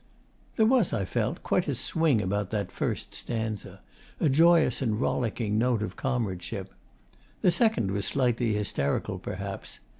There was, I felt, quite a swing about that first stanza a joyous and rollicking note of comradeship. The second was slightly hysterical perhaps.